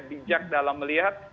bijak dalam melihat